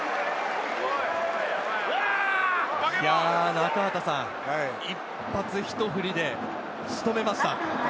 中畑さん、一発ひと振りで仕留めました。